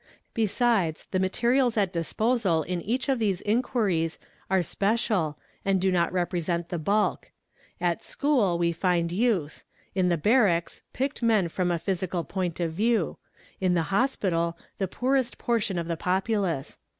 Besides the materials at disposal in each of these inquiries are special and do not represent the bulk; at school we find youth; in the barracks picked men from a physical point of view ; in the hospital, the poorest portion of the _ populace.